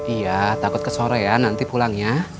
iya takut ke sore ya nanti pulangnya